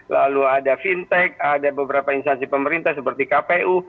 lalu ada fintech ada beberapa instansi pemerintah seperti kpu